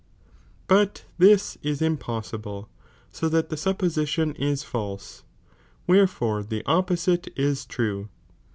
But this is impossible, so that the supposition is false, wherefore the opposite ' is true.